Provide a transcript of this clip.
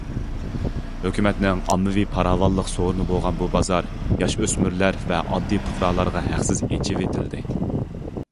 ھۆكۈمەتنىڭ ئاممىۋى پاراۋانلىق سورۇنى بولغان بۇ بازا ياش- ئۆسمۈرلەر ۋە ئاددىي پۇقرالارغا ھەقسىز ئېچىۋېتىلدى.